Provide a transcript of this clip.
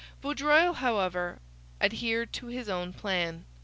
Vaudreuil, however, adhered to his own plan.